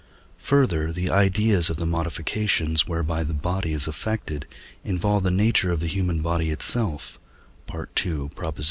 Further the ideas of the modifications, whereby the body is affected, involve the nature of the human body itself (II.